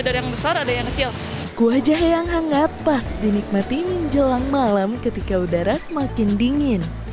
jadi ada yang besar ada yang kecil kuah jahe yang hangat pas dinikmati minjelang malam ketika udara semakin dingin